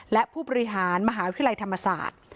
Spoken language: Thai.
และผู้บริหารมหาวิทยาลัยธรรมศาสตร์